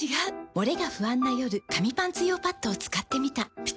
モレが不安な夜紙パンツ用パッドを使ってみた。